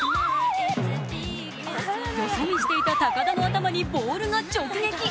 よそ見していた高田の頭にボールが直撃。